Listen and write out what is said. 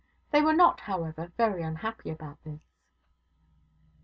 They were not, however, very unhappy about this.